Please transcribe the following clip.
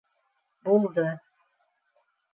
— Булды!